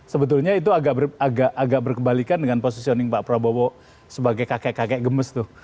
sebetulnya itu agak berkebalikan dengan positioning pak prabowo sebagai kakek kakek gemes tuh